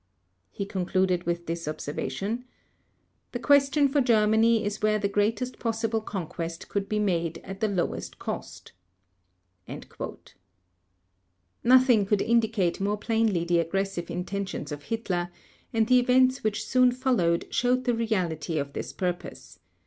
He concluded with this observation: "The question for Germany is where the greatest possible conquest could be made at the lowest cost." Nothing could indicate more plainly the aggressive intentions of Hitler, and the events which soon followed showed the reality of his purpose.